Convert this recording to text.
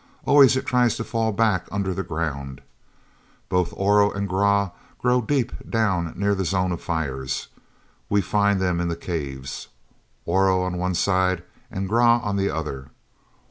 "Always it tries to fall back under the ground. Both Oro and Grah grow deep down near the Zone of the Fires; we find them in the caves, Oro on one side and Grah on the other.